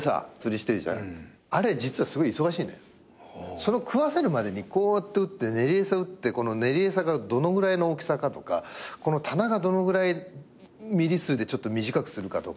その食わせるまでにこうやってうって練り餌うってこの練り餌がどのぐらいの大きさかとかこのタナがどのぐらいミリ数でちょっと短くするかとか。